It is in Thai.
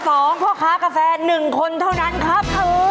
ข้อ๒พ่อค้ากาแฟ๑คนเท่านั้นครับ